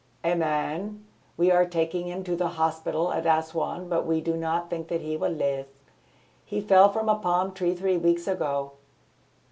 "A man. We are taking him to the hospital at Assouan, but we do not think that he will live. He fell from a palm tree three weeks ago."